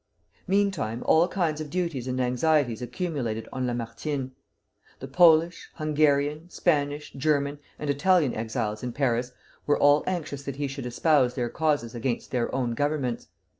Meantime all kinds of duties and anxieties accumulated on Lamartine. The Polish, Hungarian, Spanish, German, and Italian exiles in Paris were all anxious that he should espouse their causes against their own Governments.